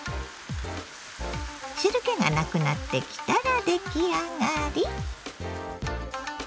汁けがなくなってきたら出来上がり。